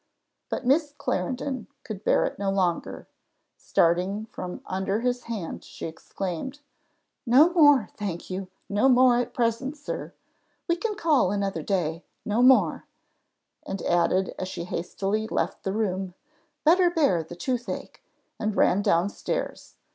But Miss Clarendon could bear it no longer; starting from under his hand, she exclaimed, "No more, thank you no more at present, sir: we can call another day no more:" and added as she hastily left the room, "Better bear the toothache," and ran down stairs.